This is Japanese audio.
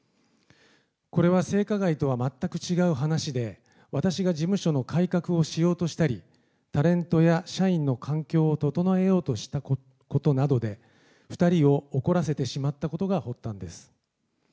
これは性加害とは全く違う話で、私が事務所の改革をしようとしたり、タレントや社員の環境を整えようとしたことなどで、２人を怒らせてしまったことが発端です。